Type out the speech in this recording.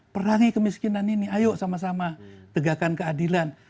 perangi kemiskinan ini ayo sama sama tegakkan keadilan